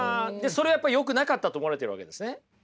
それはやっぱりよくなかったと思われてるわけですね。